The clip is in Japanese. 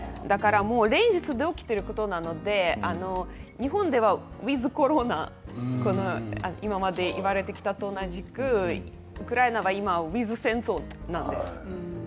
連日、起きていることなので日本ではｗｉｔｈコロナと今まで言われてきたのと同じくウクライナは今はｗｉｔｈ戦争なんです。